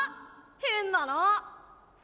変なの。